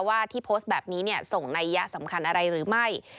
ว่าที่โพสต์แบบนี้ส่งนัยยะสำคัญอะไรหรือไม่